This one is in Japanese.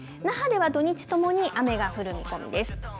那覇では土日ともに雨が降る見込みです。